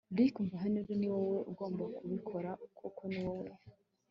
Rick umva Henry niwowe ugomba kubikora kuko niwowe